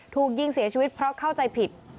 ถูกยิงเสียชีวิตเพราะเข้าใจผิด